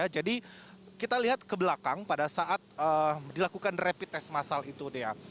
jadi kita lihat ke belakang pada saat dilakukan rapid test massal itu